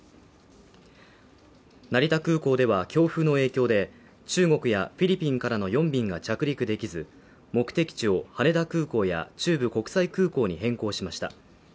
成田空港では強風の影響で中国やフィリピンからの４便が着陸できず目的地を羽田空港や中部国際空港に変更しました。